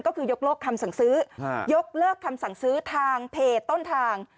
ก็คือยกเลิกคำสั่งซื้อยกเลิกคำสั่งซื้อทางเพจต้นทาง